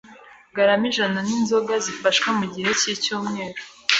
garama ijana z’inzoga zifashwe mu gihe cy’icyumweru